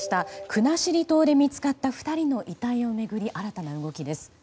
国後島で見つかった２人の遺体を巡り新たな動きです。